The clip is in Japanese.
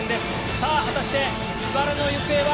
さあ、果たして自腹の行方は？